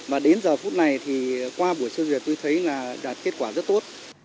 mà đến giờ phút này thì qua buổi sơ duyệt tôi thấy là đạt kết quả rất tốt